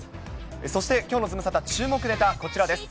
そしてきょうのズムサタ、注目ネタ、こちらです。